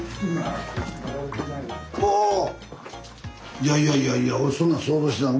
いやいやいやいや俺そんなん想像してない。